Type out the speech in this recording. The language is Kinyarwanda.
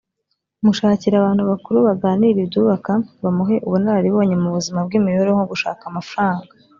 mushakire abantu bakuru baganire ibyubaka bamuhe ubunararibonyemubuzima bwimibereho nko gushaka amafaranga